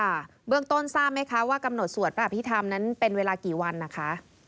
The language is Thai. เบื้องต้นทราบไหมคะว่ากำหนดสวดพระอภิษฐรรมนั้นเป็นเวลากี่วันนะคะ